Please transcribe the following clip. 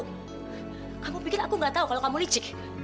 aku pikir aku nggak tahu kalau kamu licik